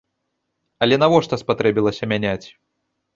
Але навошта спатрэбілася мяняць?